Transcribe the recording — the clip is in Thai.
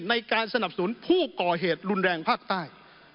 ในการสนับสนุนผู้ก่อเหตุรุนแรงภาคใต้